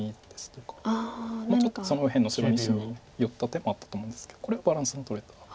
もうちょっと右辺の白２子に寄った手もあったと思うんですけどこれはバランスのとれた。